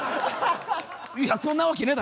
いやそんなわけねえ